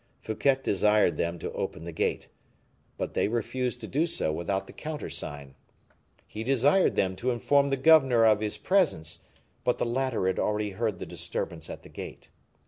Fouquet desired them to open the gate, but they refused to do so without the countersign; he desired them to inform the governor of his presence; but the latter had already heard the disturbance at the gate.